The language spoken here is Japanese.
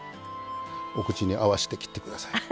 お口に合わせて切って下さい。